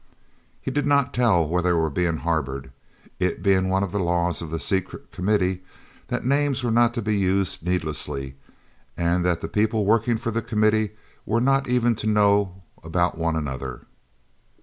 He did not tell where they were being harboured, it being one of the laws of the Secret Committee that names were not to be used needlessly, and that the people working for the Committee were not even to know about one another.